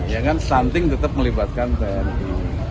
ya kan stunting tetap melibatkan tni